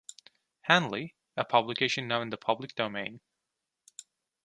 Handley, a publication now in the public domain.